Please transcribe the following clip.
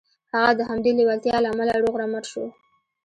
هغه د همدې لېوالتیا له امله روغ رمټ شو